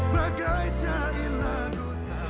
bagaishain lagu tak berhenti